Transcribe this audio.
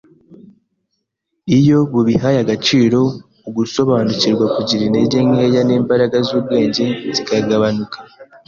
iyo bubihaye agaciro, ugusobanukirwa kugira intege nkeya n’imbaraga z’ubwenge zikagabanuka.